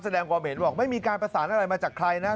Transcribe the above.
แสดงวอเมนบอกไม่มีการประสานอะไรมาจากใครนะ